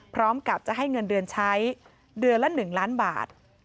พร้อมกับจะให้เงินเดือนใช้เดือนละ๑ล้านบาท